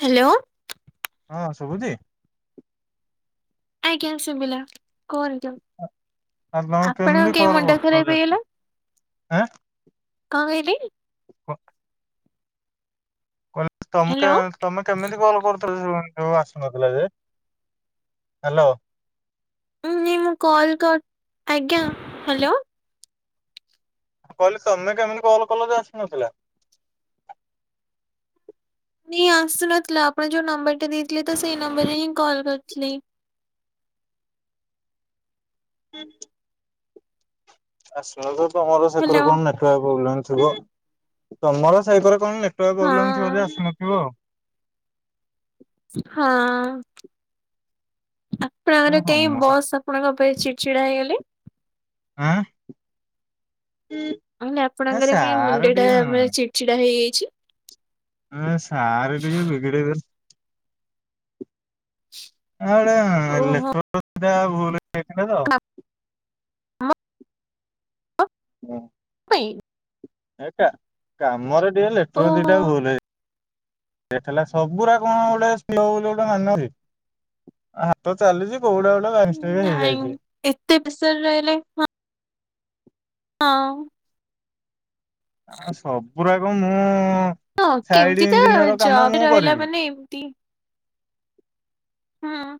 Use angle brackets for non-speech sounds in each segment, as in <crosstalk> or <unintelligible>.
Hello. ହଁ ଶୁଭୁଛି? ଆଜ୍ଞା ଶୁଭିଲା। କୁହନ୍ତୁ। ଆଉ ତମେ କେମିତି ଆପଣଙ୍କ କେହି କଲ୍ ମୁଣ୍ଡା କରୁଥିଲ ଯେ ଖରାପ ଏଥର? ହେଇଗଲା? ଆଁ କଣ କହିଲି? କ ତମକା ହ୍ୟାଲୋ ତମେ କେମିତି କଲ କରୁଥିଲ ଯୋଉ ଆସୁନଥିଲ ଯେ। ହ୍ୟାଲୋ। ନାଇ ମୁଁ କଲ୍ କର। ଆଜ୍ଞା ହ୍ୟାଲୋ। ମୁଁ କହିଲି ତମେ କେମିତି କଲ୍ କଲ ଯେ ଆସୁନଥିଲା। ନେଇ ଆସୁ ନଥିଲା ଆପଣ ଯୋଉ ନମ୍ବରଟା ଦେଇଥିଲେ ତ ସେଇ ନମ୍ବରରେ ହିଁ କଲ୍ କରିଥିଲି। ହୁଁ ଆସିନଥିବ ତମର ସେକରେ ହ୍ୟାଲୋ କଣ ନେଟୱାର୍କ ପ୍ରୋବ୍ଲେମ ଥିବ। ତମର ସେକରେ କଣ ନେ ଟୱାର୍କ ହଁ। ପ୍ରୋବ୍ଲେମ୍ ଥିବ ଯେ ଆସୁନଥିବ। ହଁ ନା ଆପଣଙ୍କର କେହି ସମସ୍ତେ ବସ୍ ଆପଣ କଣ ପାଇଁ ଚିଡ଼ଚିଡା ହେଇଗଲେ? ଆଁ। <unintelligible> ହେ ଆପଣଙ୍କର କାଇଁ ସାର୍ ମୁଣ୍ଡଟା ଟିକେ ମାନେ ଚିଡଚିଡା ହେଇଯାଇଛି। ହେ ସାର୍ ଟିକେ ବିଗଡେଇ ଆ ଓହୋ। ଗୋଟେ <inaudible> ଭୁଲ ହେଇଯାଇଥିଲା ତ। କାମ <inaudible> ହଁ। <unintelligible> <unintelligible> କାମରେ ଟିକେ ଲେଟର ଓହୋ ଦିଟା ଭୁଲ୍ ହେଇ ଯାଇଥିଲା। ସବୁରା କଣ ଗୋଟେ <unintelligible> ବୋଲି ଗୋଟେ ମାନେ ଅଛି। ହାତ ଚାଲିଛି କୋଉଟା ଗୋଟେ ବାଇମିଷ୍ଟେକରେ ନାଇଁ ହେଇଯାଇଛି। ଏତେ ବିଷରେ ରହିଲେ ହଁ। ହଁ। ଆ ସବୁୁ ରାକ ମୁଁ ହଁ ସାଇଡ ଇଞ୍ଜିନିୟର କାମ ମୁଁ କରିବି। ଏମତି ହଁ।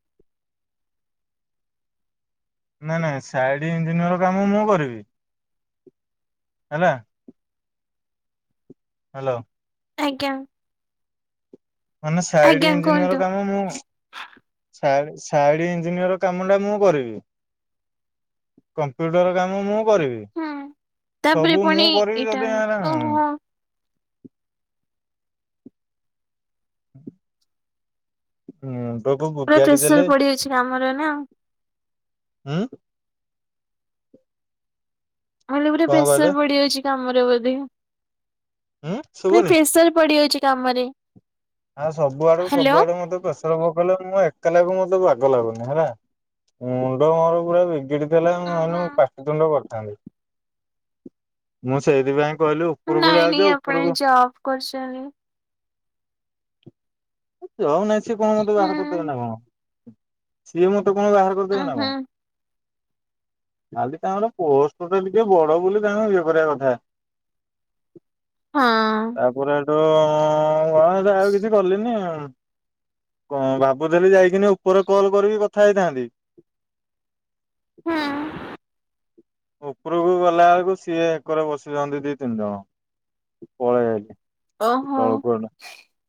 ନା ନା ସାଇଡ ଇଞ୍ଜିନିୟର କାମ ମୁଁ କରିବି ହେଲା। ହ୍ୟାଲୋ। ଆଜ୍ଞା। ମାନେ ସାଇଡ ଆଜ୍ଞା କୁହନ୍ତୁ ଇଞ୍ଜିନିୟର କାମ ମୁଁ ସା ସାଇଡ ଇଞ୍ଜିନିୟର କାମଟା ମୁଁ କରିବି। କମ୍ପ୍ୟୁଟର କାମ ମୁଁ କରିବି ହୁଁ। ତାପରେ ସବୁ ପୁଣି ମୁଁ କରିବି ଏଇଟା ଯଦି <unintelligible> ଓହୋ <inaudible> ହୁଁ ସବୁ ପୁରା ବୁଗୁଆଡି ପ୍ରେସର ଦେଲେ। ପଡିଯାଉଛି କାମରେ ନା। ମୁଁ ହୁ। <unintelligible> ପୁରା କଣ କହିଲେ ପ୍ରେସର ବଢିଯାଉଛି କାମରେ ବୋଧେ? ହୁଁ ପା ଶୁଭୁନି ପ୍ରେସର ପଡିଯାଉଛି କାମରେ। ଆଉ ସବୁଆଡୁ ହ୍ୟାଲୋ ସବୁଆଡୁ ମୋତେ ପ୍ରେ କଣ କହିଲ ମୁଁ ଏକାଲାକୁ ମୋତେ ବାଗ ଲାଗୁନି ହେଲା ମୁଣ୍ଡ ମୋର ପୁରା ବିଗିଡି ଯେମିତି ହେଲେ ମୁଁ ଏଇନୁ ପାଟିତୁଣ୍ଡ କରିଥାନ୍ତି ମୁଁ ସେଇଥିପାଇଁ କହିଲୁ। ନାଇଁ ନାଇଁ ଆପଣ ଜବ୍ କରୁଛନ୍ତି। ମୁଁ ଯାଉନାଇ ସେ କଣ ମୋତେ ହୁଁ ବାହାର କରିଦେଲା ନା କଣ? ସିଏ ମତେ କଣ ବାହାର ଉଁ କରିଦେବ ନା ହୁଁ କଣ? ଖାଲି ତାଙ୍କର ପୋଷ୍ଟଟା ଟିକେ ବଡ ବୋଲି ତାଙ୍କୁ ଇଏ କରିବା କଥା। <inaudible> ହଁ। ତା ପରେ ହେଠୁ <unintelligible> ଆଉ କିଛି କଲିନି ଆଉ। କଣ ଭାବୁଥିଲି ଯାଇକିନି ଉପରେ କଲ କରିବି କଥା ହେଇଥାନ୍ତି। ହୁଁ। ଉପୁରୁକୁ ଗଲା ବେଳକୁ ସିଏ ଏକରେ ବସିଛନ୍ତି ଦି ତିନି ଜଣ ପଳେଇ ଆଇଲି। ଓହୋ ତଳକୁ ନା।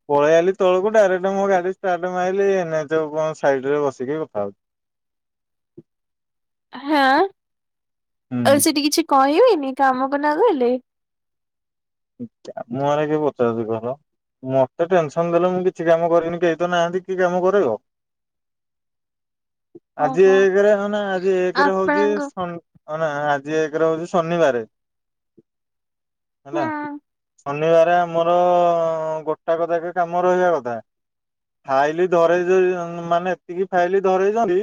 ପଳେଇ ଆଇଲି ତଳକୁ ଡାଇରେକ୍ଟ ମୁଁ ଗାଡି ଷ୍ଟାର୍ଟ ମାରିଲି ଏଇନେ ଯଉ କଣ ସାଇଡରେ ବସିକି କଥା ହଉଛି। ହଁ ଆ ହୁଁ। ସେଠି କିଛି କହିବେନି କାମକୁ ନଗଲେ? ମୁଁ ହେରା କିଏ ପଚାରୁଛି କହ ତ? ମତେ ଟେନସନ ଦେଲେ ମୁଁ କିଛି କାମ କରିବିନି କେହି ତ ନାହାନ୍ତି କି କାମ କରେଇବ? <unintelligible> ଆଜି ଓହୋ। ଏକରେ ମାନେ ଆଜି ଏକରେ ହଉଛି ଆପଣଙ୍କୁ ସନ୍ ଅନା ଆଜି ଏକରେ ହଉଛି ଶନିବାରେ <inaudible> ହେଲା। ହୁଁ ଶନିବାର ଆମର ଗୋଟାକ ଯାକେ କାମ ରହିବା କଥା। ଫାଇଲି ଧରେଇ ମାନେ ଏତିକି ଫାଇଲି ଧରେଇଛନ୍ତି।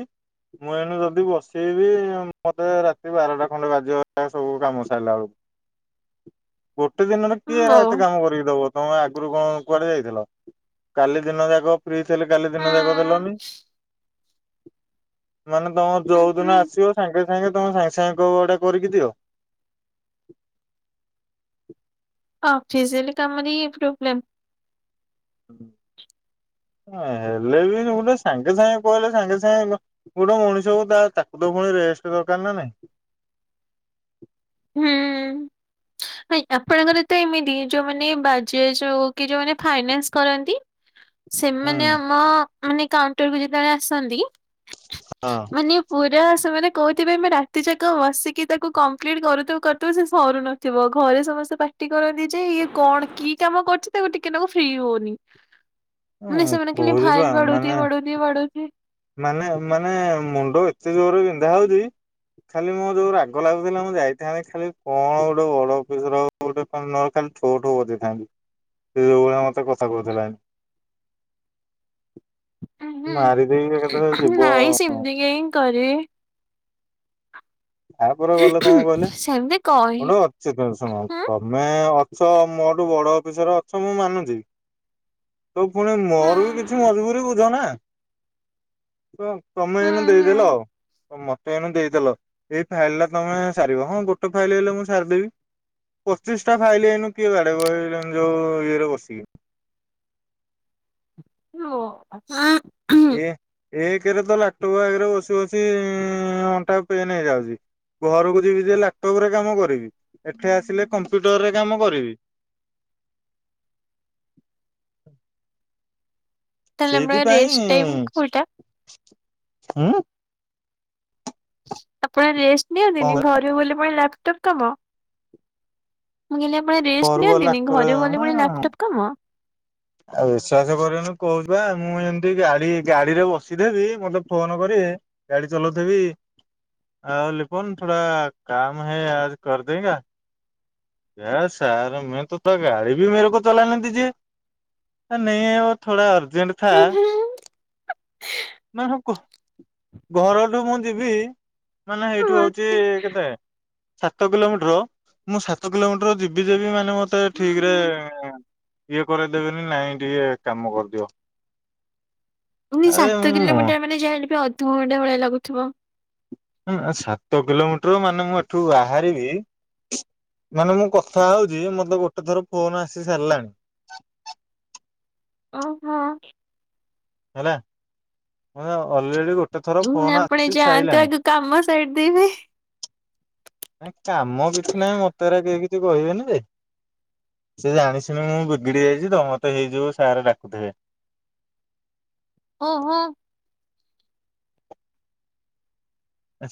ମୁଁ ଏନୁ ଯଦି ବସିବି ମୋତେ ରାତି ବାରଟା ଖଣ୍ଡେ ବାଜିବା ପ୍ରାୟ ସବୁ କାମ ସାରିଲା ବେଳକୁ। ଗୋଟେ ଦିନରେ କିଏ ଏରା ମୋ ଏତେ କାମ କରିକି ଦବ? ତମ ଆଗରୁ କଣ କୁଆଡେ ଯାଇଥିଲ? କାଲି ଦିନ ଯାକ। ଫ୍ରି ଥିଲେ କାଲି ଦିନ ଯାକ ହଁ ଦେଲନି। <inaudible> ମାନେ ତମର ଯୋଉଦିନ ଆସିବ ସାଙ୍ଗେ ସାଙ୍ଗେ ତମେ ସାଙ୍ଗେ ସାଙ୍ଗେ କହିବ ଏଇଟା କରିକି ଦିଅ। ଅଁ ଫିସିଆଲି କାମରେ ଇଏ ପ୍ରୋବ୍ଲେମ୍। ହେଲେ ବି ଗୋଟେ ସାଙ୍ଗେ ସାଙ୍ଗେ କହିଲେ ସାଙ୍ଗେ ସାଙ୍ଗେ। ଗୋଟେ ମଣିଷକୁ ତା ତାକୁ ତ ପୁଣି ରେଷ୍ଟ ଦରକାର ନା ନାଇଁ? ହୁଁ। ଭାଈ ଆପଣଙ୍କର ତ ଏମିତି ଯୋଉମାନେ ବାଜାଜ ହଉ କି ଯୋଉମାନେ ଫାଇନାନ୍ସ କରନ୍ତି <unintelligible> ସେମାନେ ଆମ ମାନେ କାଉଣ୍ଟରକୁ ଯେତେବେଳେ ଆସନ୍ତି। ହଁ। ମାନେ ପୁରା ସେମାନେ କହୁଥିବେ ଆମେ ରାତି ଯାକ ବସିକି ତାକୁ କମ୍ପ୍ଲିଟ୍ କରୁଥିବୁ କରୁଥିବୁ ସେ ସରୁନ ଥିବ। ଘରେ ସମସ୍ତେ ପାଟି କରନ୍ତି ଯେ ଇଏ କଣ କି କାମ କରୁଛି ତାକୁ ଟିକେ ତାକୁ ଫ୍ରି ହଉନି। <unintelligible> ମାନେ ହଁ ସେମାନେ ଖାଲି କହୁଚିପା ଭାଇଲ ମାନେ ବାଡଉଥିବେ ବାଡଉଥିବେ ବାଡଉଥିବେ। ମାନେ ମାନେ ମୁଣ୍ଡ ଏତେ ଜୋରରେ ବିନ୍ଧା ହଉଛି। ଖାଲି ମୋର ଯୋଉ ରାଗ ଲାଗୁଥିଲା, ମୁଁ ଯାଇଥାନ୍ତି ଖାଲି କଣ ଗୋଟେ ବଡ ଅଫିସର ନହଲେ କାଲି ଠୋ ଠୋ ବଯେଇଥାନ୍ତି, ସେ ଯୋଉ ଭଳିଆ ମତେ କଥା କହୁଥିଲା। <unintelligible> ମାରିଦେଇକି ଏକାଥରେ ଯିବ ନାଇଁ ସେମିତି କାଇଁ କରିବେ। ତାପରେ ଗଲେ କଣ କହିଲେ କହି ଗୋଟେ ଅଛି ଟେନସନ ହୁଁ ତମେ ଅଛ ମୋଠୁ ବଡ ଅଫିସର ଅଛ ମୁଁ ମାନୁଛି। ତ ପୁଣି ମୋର ବି କିଛି ହୁଁ ମଜୁବୁରି ବୁଝ ନାଁ। ତ ତମେ ଏନୁ ହୁଁ ଦେଇଦେଲ ମୋତେ ଏନୁ ଦେଇଦେଲ। ଏଇ ଫାଇଲଟା ତମେ ସାରିବ ହଁ ଗୋଟେ ଫାଇଲ ହେଲେ ମୁଁ ସାରିଦେବି। ପଚିଶିଟା ଫାଇଲି ଏଇନୁ କିଏ ବାଡେଇବ ଏଇ ଯୋଉ ଇଏରେ ବସିକି। ଓହୋ <inaudible> ଏ ଏକରେ ତ ଲାପଟପ ଆଗରେ ବସି ବସି ଅଣ୍ଟା ପେନ୍ ହେଇଯାଉଛି। ଘରକୁ ଯିବି ଯେ ଲାପଟପରେ କାମ କରିବି, ଏଠି ଆସିଲେ କମ୍ପ୍ୟୁଟରରେ କାମ କରିବି। ତାହେଲେ ଆପଣ ରେଷ୍ଟ ଟାଇମ୍ ସେଇଥିପାଇଁ, କୋଉଟା? ଉଁ। ଆପଣ ରେଷ୍ଟ ନିଅନ୍ତିନି କଣ ଘରକୁ ଗଲେ ପୁଣି ଲାପଟପ୍‌ କାମ। ମୁଁ କହିଲି ଆପଣ ଘରୁ ରେଷ୍ଟ ଗଲା ନିଅନ୍ତିନି ଘରେ ଗଲେ ପୁଣି ଲାପଟପ୍ କାମ। ଆଉ ବିଶ୍ୱାସ କରିବେନି କହୁଚି ବା ମୁଁ ଏମିତି ଗାଡି ଗାଡିରେ ବସିଥିବି ମତେ ଫୋନ୍‌ କରିବେ ଗାଡି ଚଲଉଥିବି ଆଉ ଲିପୁନ୍‌ ଥୋଡା କାମ ହେ ଆଜ୍ କର ଦେଗା? ଏ ସାର ମେ ତୋ ତା ଗାଡ଼ି ବି ମେରେ କୋ ଚଲାନେ ଦି ଜିଏ। ହେ ନେହି ହୋ ଥୋଡ଼ା ଅର୍ଜେଣ୍ଟ ଥା <unintelligible> ଘରଠୁ ମୁଁ ଯିବି, ମାନେ ଏଇଠୁ ହଉଛି ମତେ କେତେ ସାତ କିଲୋମିଟର। ମୁଁ ସାତ କିଲୋମିଟର ଯିବି ଯିବି ମାନେ ମତେ ହୁଁ ଠିକ ରେ ହୁଁ ଇଏ କରାଇଦେବେନି ନାଇଁ ଟିକେ କାମ କରିଦିଅ। ପୁଣି ଆରେ ସାତ ମୁଁ କିଲୋମିଟର ମାନେ ଯାହାହେଲେ ବି ଅଧଘଣ୍ଟା ଭଳିଆ ଲାଗୁଥିବ। ସାତ କିଲୋମିଟର ମାନେ ମୁଁ ଏଠୁ ବାହାରିବି ମାନେ ମୁଁ କଥା ହଉଛି ମତେ ଗୋଟେ ଥର ଫୋନ ଆସି ସାରିଲାଣି। ଓହୋ। ହେଲା। ମାନେ ଅଲରେଡି ଗୋଟେ ଥର ଫୋନ ଆପଣ ଆସି ଯାଆନ୍ତୁ ସାଇଲାଣି। ଆଗ କାମ ସାଇଡ ଦେଇବେ। ନାଇ କାମ କିଛି ନାହିଁ ମତେ ଏରା କେହି କିଛି କହିବେନି ଯେ ସେ ଜାଣିଶୁଣି ମୁଁ ବିଗିଡି ଯାଇଛି ତ ମତେ ହେଇଯୋଗୁ ସାର ଡାକୁଥିବେ। ଓହୋ।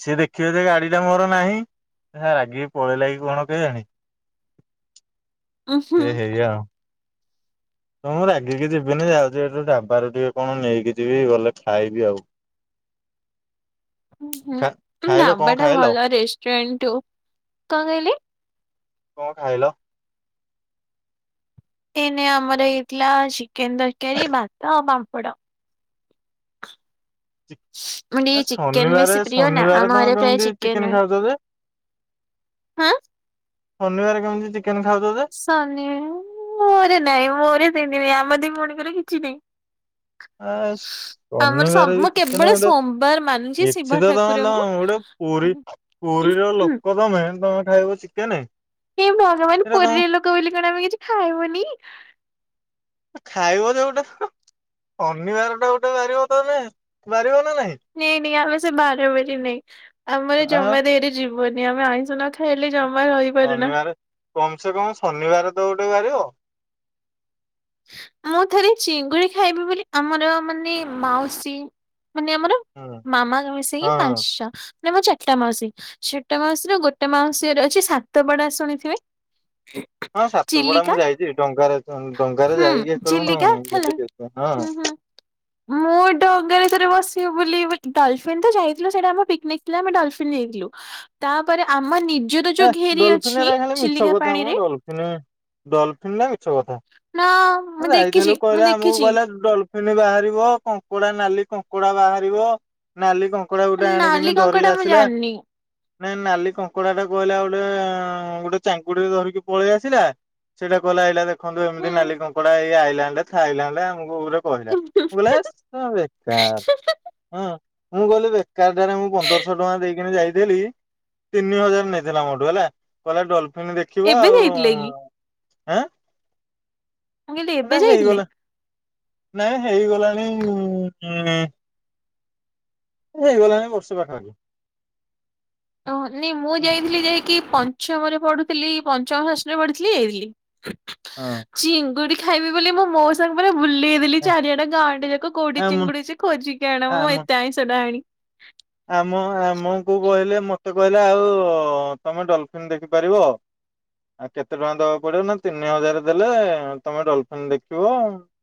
ସିଏ ଦେଖିବେ ଯେ ଗାଡିଟା ମୋର ନାହିଁ, ଶଳା ରାଗିକି ପଳେଇଲା କିି କଣ କେଜାଣି। ଉହୁଁ ଏ ହେଇଆ ଆଉ ହଁ ମୁଁ ରାଗିକି ଯିବିନି ଯାଉଛି ଏଠୁ ଡାବାରୁ ଟିକେ କଣ ନେଇକି ଯିବି ଗଲେ ଖାଇବି ଆଉ। <inaudible> ଖା ହୁଁ ଖାଇଲ କଣ ଢ଼ାବାଟା ଖାଇଲ ଭଲ ରେଷ୍ଟୁରାଣ୍ଟ ଠୁ। କଣ କହିଲେ? କଣ ଖାଇଲ? ଏନେ ଆମର ହେଇଥିଲା ଚିକେନ ତରକାରୀ, ଭାତ, ଆଉ ପାମ୍ପଡ। ମାନେ ଏ ଇଏ ଚିକେନ ଶନିବାରେ ବେଶି ପ୍ରିୟ ନା ଶନିବାରେ ତମେ ଆମାର ପ୍ରାୟ କେମିତି ଚିକେନ ହୁଏ। ଖାଉଛ ଯେ ହ ଶନିବାର କେମିତି ଚିକେନ ଖାଉଚ ଯେ? ଶନି ମୋର ନାଇଁ ମୋର ସୀଦି ନାହିଁ ଆମ ଦି ଭରଣିଙ୍କର କିଛି ନାଇଁ। ଆ ଆମର ଶନିବାର ସବୁ ବି ମୁଁ କେବଳ ଚିକେନ ଗୋଟେ ସୋମବାର ମାନୁଛି ଶିବ ଠାକୁରଙ୍କୁ। <unintelligible> ପୁରୀ ପୁରୀର ଲୋକ ତମେ ତମେ ଖାଇବ ଚିକେନ। ହେ ଭଗବାନ ସେଇଟା ତମ ପୁରୀର ଲୋକ ବୋଲି କଣ ଆମେ କିଛି ଖାଇବୁନି? ଖାଇବ ଯେ ଗୋଟେ ତ ଶନିବାରଟା ଗୋଟେ ବାରିବ ତମେ ବାରିବ ନା ନହିଁ? ନାଇଁ ନାଇ ଆମେ ସେ ବାର ବାର ନାଇ ଆମର ଆଉ ଜମା ଦେହରେ ଯି ହବନି ଆମେ ଆଇଁସ ନଖାଇଲେ ଜମା ରହି ଶନିବାର, କମ ସେ କମ ଶନିବାର ତ ଗୋଟେ ବାରିବ। ମୁଁ ଥରେ ଚିଙ୍ଗୁଡି ଖାଇବି ବୋଲି ଆମର ମାନେ ମାଉସୀ ମାନେ ଆମର ହୁଁ ମାମା କୁ ମିସେଇ ହଁ ପାଞ୍ଚଛ ଆମର ଚାରିଟା ମାଉସୀ ଚାରଟା ମାଉସୀ ଗୋଟେ ମାଉସୀରେ ଅଛି ସାତପଡା ଶୁଣିଥିବେ। <unintelligible> ହଁ ସାତପଡା ମୁଁ ଚିଲିକା ଯାଇଛି। ଡଙ୍ଗାରେ ଡଙ୍ଗାରେ ହୁଁ ଯାଇକି କର ଚିଲିକା ହେଲା ବୁଲିିକି ହଁ ହୁଁ ହୁଁ। <inaudible> ମୁଁ ଡଙ୍ଗାରେ ଥରେ ବସିବି ବୋଲି, ଡଲଫିନ ତ ଯାଇଥିଲ ସେଇଟା ଆମ ପିକିନିକ। ଥିଲା ଆମେ ଡଲଫିନ ନେଇଥିଲୁ। ତାପରେ ଆମ ନିଜର ହେ ଯୋଉ ଘେରି ଅଛି ଚିଲିକା ପାଣିରେ। ହୁଁ ଡଲଫିନ ନା କିଛ କଥା। ନା ମୁଁ ଦେଖିଛି ଯାଇଥିଲୁ ମୁଁ କହିଲେ ଆମକୁ ଦେଖିଛି କହିଲା ଡଲ ବାହାରିବ କଙ୍କଡା ନାଲି କଙ୍କଡା ବାହାରିବ। ନାଲି କଙ୍କଡା ଗୋଟେ ନାଲି ଆଣିକିନି ଧରିକି କଙ୍କଡା ମୁଁ ଆସିଲା। ଜାଣିନି ନା ନାଲି କଙ୍କଡାଟା କହିଲା ଗୋଟେ ଗୋଟେ ଚାଙ୍ଗୁଡିରେ ଧରିକି ପଳେଇ ଆସିଲା। ସେଇଟା କହିଲା ଆଇଲା ଦେଖନ୍ତୁ ଏମିତି ନାଲି କଙ୍କଡା ଏଇ ଆଇଲାଣ୍ଡ, ଥାଇଲାଣ୍ଡ କଣ ଗୋଟେ କହିଲା ମୁ ଏ ଶଳା ବେକାର ହୁଁ। ହୁଁ ମୁଁ ଗଲି ବେ କାରଟାରେ ମୁଁ ପନ୍ଦରଶହ ଟଙ୍କା ଦେଇକି ଯାଇଥିଲି। ତିନି ହଜାର ନେଇଥିଲା ମୋଠୁ ହେଲା କହିଲା ଡଲଫିିନ ଦେଖିବ ଏବେ ଆଉ ଯାଇଥିଲେ କି? ଆ ମୁଁ କହିଲି ସେଟା ଏବେ ଯାଇଥିଲେ? ହେଇଗଲା ନାଇଁ ହେଇଗଲାଣି ହେଇଗଲାଣି ବର୍ଷେ ପାଖାପାଖି। ଓହ ନାଇଁ ମୁଁ ଯାଇଥିଲି ଯାଇକି ପଞ୍ଚମରେ ପଢୁଥିଲି ପଞ୍ଚମ ଷଷ୍ଟ ରେ ପଢିଥିଲି ଯାଇଥିଲି। <unintelligible> ହଁ। ଚିଙ୍ଗୁଡି ଖାଇବି ବୋଲି ମୁଁ ମଉସାଙ୍କୁ ପୁରା ଭୁଲି କହିଲି ଚାରିଆଡେ ଗାଆଟା ଯାକ କଉଠି ଆମ ଚିଙ୍ଗୁଡ଼ି ଅଛି ଖୋଜିକି ଆଣ ମୁଁ ଆମ ଏତେ ଆଇଷ ଡାହାଣି। ଆମ ଆମକୁ କହିଲେ ମତେ କହିଲେ ଆଉ ତମେ ଡଲଫିିନ ଦେଖିପାରିବ? କେତେ ଟଙ୍କା ଦବାକୁ ପଡିବ? ନା ତିନି ହଜାର ଦେଲେ ତମେ ଡଲଫିନି ଦେଖିବ।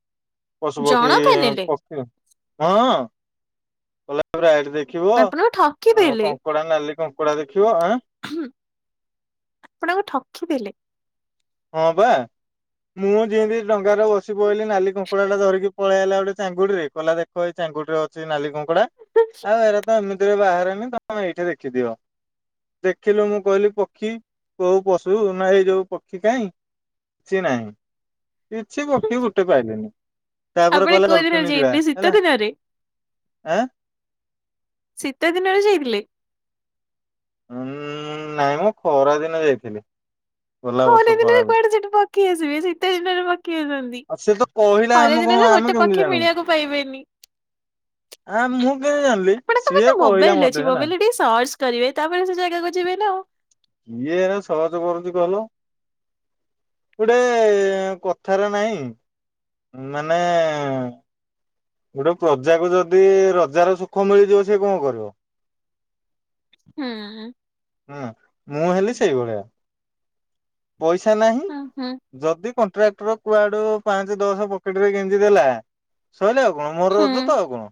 <inaudible> ପଶୁପକ୍ଷୀ ଜଣକା ନେଲେ ପକ୍ଷୀ ହଁ ଗଲାପରେ ଆଇଡି ଦେ ଦେଖିବ ଆପଣଙ୍କୁ ଠକି ଦେଲେ। କଙ୍କଡା ନାଲି କଙ୍କଡା ଦେଖିବ ଆଁ। ହଁ ଆପଣଙ୍କୁ ଠକି ଦେଲେ। ହଁ ବା ମୁଁ ଯେମିତି ଡଙ୍ଗାରେ ବସି ପଡିଲି ନାଲି କଙ୍କଡ଼ାଟା ଧରିକି ପଳେଇ ଆଇଲା ଗୋଟେ ଚାଙ୍ଗୁଡିରେ କହିଲା ଦେଖ ଏଇ ଚାଙ୍ଗୁଡିରେ ଅଛି ନାଲି କ କଙ୍କଡା ଆଉ ଏରା ତ ଏମିତିରେ ବାହାରେନି ତମେ ଏଇଠି ଦେଖିଦିଅ। ଦେଖିଲୁ ମୁଁ କହିଲି ପକ୍ଷୀ କୋଉ ପଶୁ ନା ଏଇ ଯୋଉ ପକ୍ଷୀ କାଇଁ କିଛି ନାହିଁ। କିଛି ପକ୍ଷୀ ଗୋଟେ ପାଇଲିନି ତାପରେ ଆପଣ କହିଲା କୋଉ ଦିନରେ ଡ଼ଲଫିନି ଯିବା ଯାଇଥିଲେ ଶୀତ ହେଲା। ଦିନରେ? ଆଁ। ଶୀତ ଦିନରେ ଯାଇଥିଲେ? ଉୁଁ ନାଇଁ ମ ଖରା ଦିନେ ଯାଇଥିଲି। ଗଲା ଖରା ବର୍ଷ ଦିନରେ ଖରାକୁ କୁଆଡେ ସେଠି ପକ୍ଷୀ ଆସିବେ ଶୀତ ଦିନରେ ପକ୍ଷୀ ଆସନ୍ତି। ଆଉ ସେ ତ କହିଲା ଖରା ଆମେ କଣ ଦିନରେ ଆମେ ଗୋଟେ କେମିତି ପକ୍ଷୀ ଜାଣିବୁ? ମିଳିବାକୁ ପାଇବେନି। ଆ ମୁଁ କେମିତି ଜାଣିଲି ଆପଣଙ୍କ ସିଏ ପାଖେ କହିଲା ମୋବାଇଲ ଅଛି ମତେ ହେଲା। ମୋବାଇଲରେ ଟିକେ ସର୍ଚ୍ଚ କରିବେ ତାପରେ ସେ ଜାଗାକୁ ଯିବେ ନା ଆଉ। ଇଏ ଏରା ସର୍ଚ୍ଚ ଫର୍ଚ୍ଚ କଲ। ଗୋଟେ କଥାରେ ନାହିଁ ମାନେ ଗୋଟେ ପ୍ରଜାକୁ ଯଦି ରଜାର ସୁଖ ମିଳିଯିବ ସେ କଣ କରିବ। ହୁଁ। ହୁଁ ମୁଁ ହେଲି ସେଇଭଳିଆ, ପଇସା ନାହିଁ। ହୁଁ ହୁଁ ଯଦି କଣ୍ଟ୍ରାକ୍ଟର କୁଆଡୁ ପାଞ୍ଚ, ଦଶ ପକେଟରେ ଗେଞ୍ଜି ଦେଲା ସଇଲା <unintelligible> ତ ଆଉ କଣ।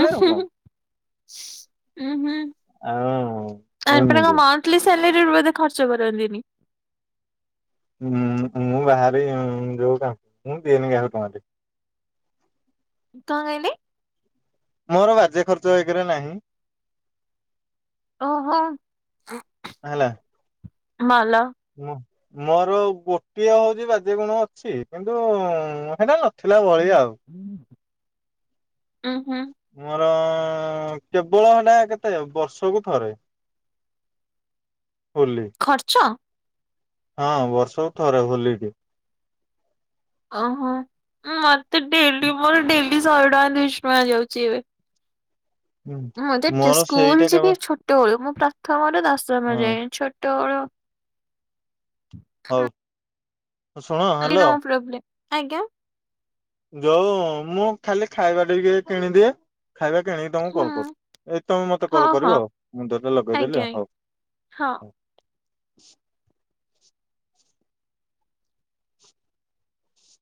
ଉଁ ଆଉ ହୁଁ କଣ ଉଁ ହୁଁ ଆଉ ଆପଣ ଏମିତି <unintelligible> ଏଲି ସାଲାରୀରୁ ବୋଧେ ଖର୍ଚ୍ଚ କରନ୍ତିନି। ଉଁ ମୁଁ ବାହାରି ଯୋଉ କାମ ମୁଁ ଦିଏନି କାହାକୁ ଟଙ୍କାଟେ। କଣ କହିଲେ? ମୋର ବାଜେ ଖର୍ଚ୍ଚ ଏକରେ ନାହିଁ। ଓହୋ ହେଲା ମା ଲୋ। ମୁଁ ମୋର ଗୋଟିଏ ହଉଛି ବାଜେ ଗୁଣ ଅଛି କିନ୍ତୁ ହେଟା ନଥିଲା ଭଳିଆ ଆଉ। ଉଁ ହୁଁ। ମୋର କେବଳ ହେଲା କେତେ ବର୍ଷକୁ ଥରେ। ହୋଲି। ଖର୍ଚ୍ଚ। ହଁ ବର୍ଷକୁ ଥରେ ହୋଲିଟେ। ଓହୋ ମତେ ଡେଲି ମୋର ଡେଲି ଶହେଟଙ୍କା ଦୁଇଶହ ଟଙ୍କା ଯାଉଛି ଏବେ। ମୁଁ <unintelligible> ମୋର ସ୍କୁଲ ସେଇଟା ଯିବି କେବଳ ଛୋଟଓଳୁ। ମୁଁ ପ୍ରଥମରୁ ଦଶମ ହଁ ଯାଏ ଛୋଟଓଳୁ ହଉ। ଶୁଣ ହ୍ୟାଲୋ <unintelligible> ପ୍ରବ୍ଲେ ଆଜ୍ଞା। ଯୋଉ ମୁଁ ଖାଲି ଖାଇବାଟା ଟିକେ କିଣିଦିଏ। ଖାଇବା କିଣିକି ତମକୁ ହୁଁ କଲ କରୁ। ଏ ତମେ ମତେ ହଁ କଲ ହଁ କରିବ ଆଉ ମୁଁ ତ ଏଟା ଆଜ୍ଞା ଲଗେଇଦେଲି ଆଉ ଆଜ୍ଞା ହଉ। ହଁ।